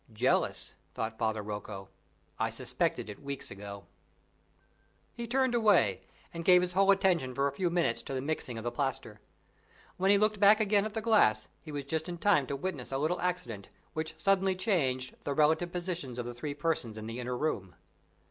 "Jealous," thought Father Rocco; "I suspected it weeks ago." He turned away, and gave his whole attention for a few minutes to the mixing of the plaster. When he looked back again at the glass, he was just in time to witness a little accident which suddenly changed the relative positions of the three persons in the inner room.